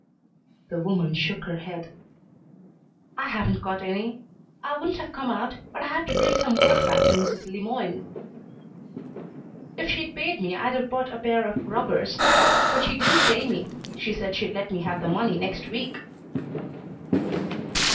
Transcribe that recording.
The woman shook her head. "I haven't got any. I wouldn't have come out, but I had to bring some work back to Mrs. Le Moyne. If she'd paid me I'd have bought a pair of rubbers. But she didn't pay me. She said she'd let me have the money next week."